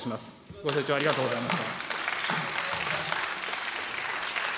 ご清聴ありがとうございます。